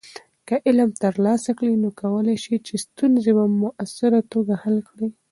که علم ترلاسه کړې، نو کولی شې چې ستونزې په مؤثره توګه حل کړې.